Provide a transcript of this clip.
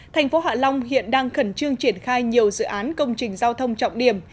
thành phố hạ long hiện đang khẩn trương triển khai nhiều dự án công trình giao thông trọng điểm